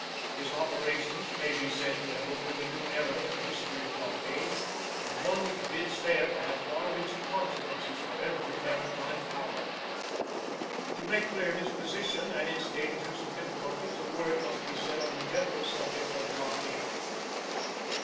His operations may be said to have opened a new era in the history of blockade, and one which bids fair to have far reaching consequences for every maritime Power. To make clear his position and its dangers and difficulties a word must be said on the general subject of blockade.